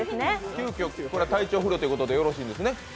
急きょ、体調不良ということでよろしいですね。